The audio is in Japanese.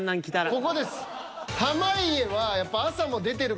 ここです。